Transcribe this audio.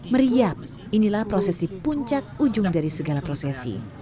meriam inilah prosesi puncak ujung dari segala prosesi